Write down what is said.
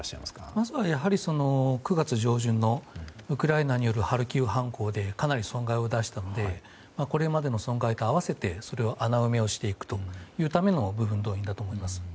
まずはやはり、９月上旬のウクライナによるハルキウ反攻でかなり損害を出したのでこれまでの損害と合わせてその穴埋めをしていくための部分動員だと思います。